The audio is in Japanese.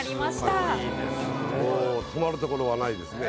もう止まるところはないですね。